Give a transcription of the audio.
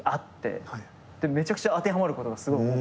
でめちゃくちゃ当てはまることがすごい多くて。